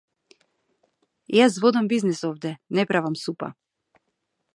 Јас водам бизнис овде не правам супа.